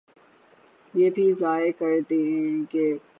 یہ بھی ضائع کر دیں گے۔